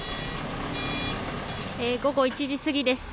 午後１時過ぎです。